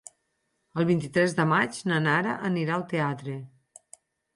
El vint-i-tres de maig na Nara anirà al teatre.